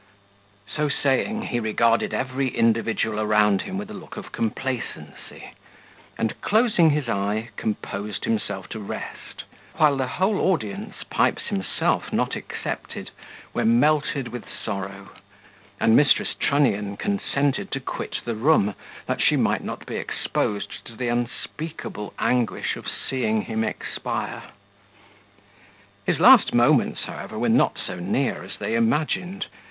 So saying, he regarded every individual around him with a look of complacency, and closing his eye, composed himself to rest, while the whole audience, Pipes himself not excepted, were melted with sorrow; and Mrs. Trunnion consented to quit the room, that she might not be exposed to the unspeakable anguish of seeing him expire. His last moments, however, were not so near as they imagined.